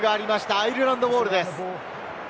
アイルランドボールです。